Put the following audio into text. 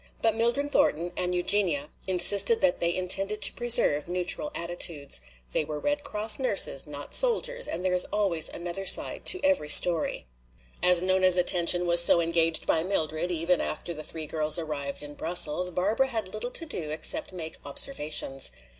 But Mildred Thornton and Eugenia insisted that they intended to preserve neutral attitudes. They were Red Cross nurses, not soldiers, and there is always another side to every story. As Nona's attention was so engaged by Mildred, even after the three girls arrived in Brussels, Barbara had little to do except make observations.